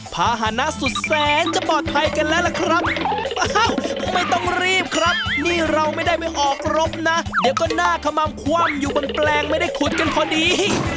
ภาษณะสุดแสนจะปลอดภัยกันแล้วล่ะครับอ้าวไม่ต้องรีบครับนี่เราไม่ได้ไปออกรบนะเดี๋ยวก็หน้าขม่ำคว่ำอยู่บนแปลงไม่ได้ขุดกันพอดี